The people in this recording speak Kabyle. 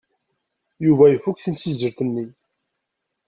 Yuba ifuk timsizzelt-nni.